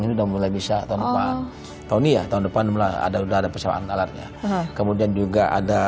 ini udah mulai bisa tahun depan tahun ini ya tahun depan mulai ada udah ada persawaan alatnya kemudian juga ada